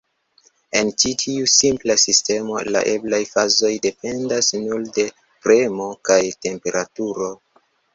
En ĉi tiu simpla sistemo, la eblaj fazoj dependas nur de premo kaj temperaturo.